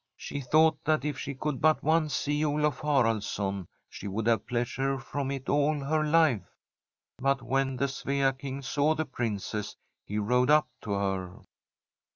She thought that if she could but once see Olaf Haraldsson, she would have pleas ure from it all her life. * But when the Svea King saw the Princess, he rode up to her.